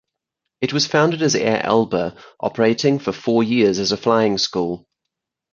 It was founded as Air Alba, operating for four years as a flying school.